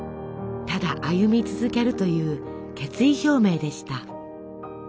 ただ歩み続けるという決意表明でした。